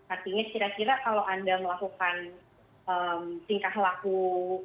artinya kira kira kalau anda melakukan tingkah laku x tingkah laku a